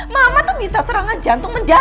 mama tuh bisa serangan jantung menjaga